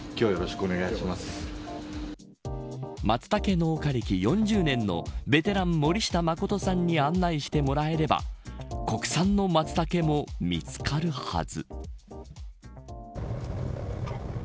農家歴４０年のベテラン森下誠さんに案内してもらえれば国産のマツタケも見つかるはず。